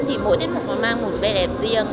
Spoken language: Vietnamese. thì mỗi tiết mục nó mang một vẻ đẹp riêng